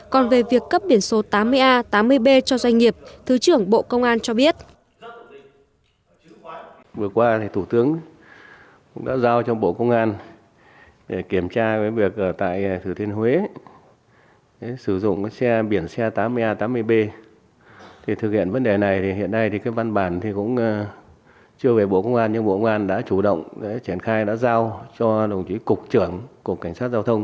còn về việc cấp biển số tám mươi a tám mươi b cho doanh nghiệp thứ trưởng bộ công an cho biết